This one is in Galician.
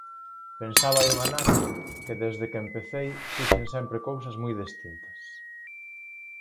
Pensaba hai un anaco que desde que empecei fixen sempre cousas moi distintas.